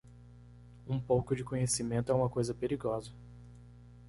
Um pouco de conhecimento é uma coisa perigosa.